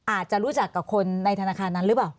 อาจจะรู้จักกับคนในธนาคารนั้นหรือเปล่า